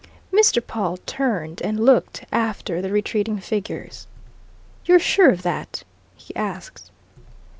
Mr. Pawle turned and looked after the retreating figures. "You're sure of that?" he asked.